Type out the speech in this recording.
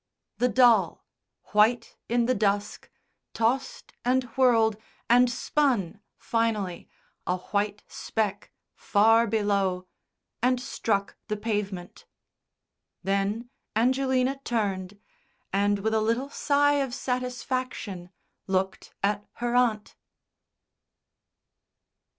The doll, white in the dusk, tossed and whirled, and spun finally, a white speck far below, and struck the pavement. Then Angelina turned, and with a little sigh of satisfaction looked at her aunt.